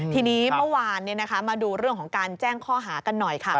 ทีนี้เมื่อวานมาดูเรื่องของการแจ้งข้อหากันหน่อยค่ะ